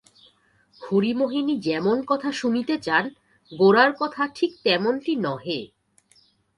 হরিমোহিনী যেমন কথা শুনিতে চান গোরার কথা ঠিক তেমনটি নহে।